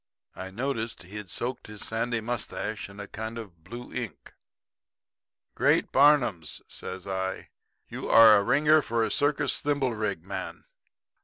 I noticed he'd soaked his sandy mustache in a kind of blue ink. "'Great Barnums?' says I. 'You're a ringer for a circus thimblerig man.'